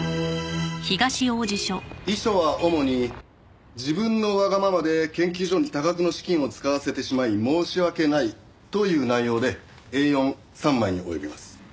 遺書は主に「自分のわがままで研究所に多額の資金を使わせてしまい申し訳ない」という内容でＡ４３枚に及びます。